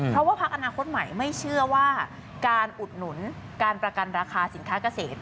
เพราะว่าพักอนาคตใหม่ไม่เชื่อว่าการอุดหนุนการประกันราคาสินค้าเกษตร